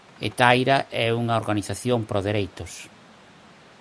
Hetaira é unha organización prodereitos.